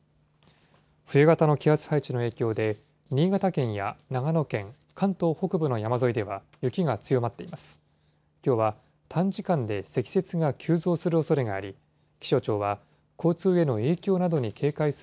冬型の気圧配置の影響で、新潟県や長野県、関東北部の山沿いでは雪が強まっています。